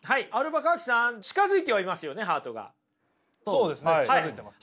そうですね近づいてます。